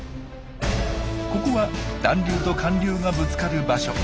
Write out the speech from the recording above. ここは暖流と寒流がぶつかる場所。